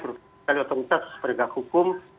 terutama otoritas penegakan hukum